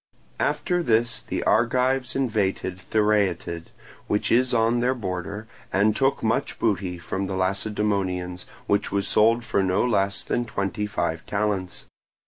After this the Argives invaded the Thyreatid, which is on their border, and took much booty from the Lacedaemonians, which was sold for no less than twenty five talents.